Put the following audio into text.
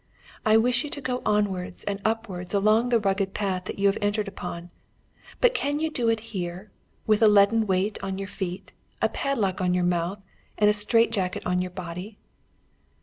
I wish you to go onwards and upwards along the rugged path that you have entered upon; but can you do it here, with a leaden weight on your feet, a padlock on your mouth, and a strait jacket on your body?"